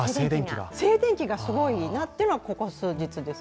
静電気がすごいなというのはここ数日です。